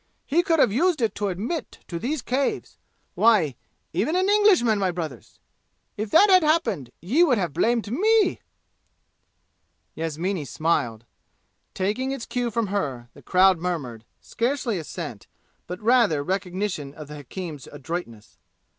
He could have used it to admit to these caves why even an Englishman, my brothers! If that had happened, ye would have blamed me!" Yasmini smiled. Taking its cue from her, the crowd murmured, scarcely assent, but rather recognition of the hakim's adroitness.